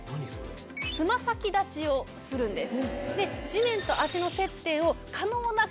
つま先立ちをするんです。